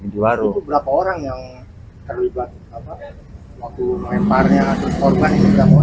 itu berapa orang yang terlibat waktu melemparnya